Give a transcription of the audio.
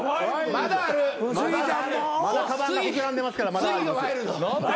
・まだかばんが膨らんでますからまだありますよ。